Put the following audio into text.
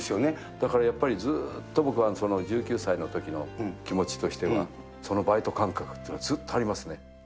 だからずっと僕は１９歳のときの気持ちとしては、そのバイト感覚というのはずっとありますね。